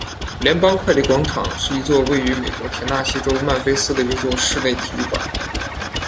联邦快递广场是一座位于美国田纳西州曼菲斯的一座室内体育馆。